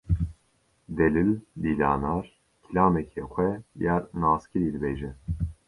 Delil Dîlanar kilameke xwe ya naskirî dibêje.